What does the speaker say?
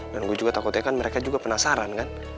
dan gue juga takutnya kan mereka juga penasaran kan